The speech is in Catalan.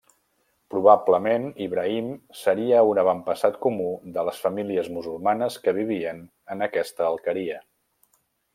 Probablement, Ibrahim seria un avantpassat comú de les famílies musulmanes que vivien en aquesta alqueria.